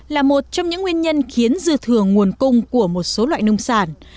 là một trong những nguyên nhân khiến dư thừa nguồn cung của một số loại nông sản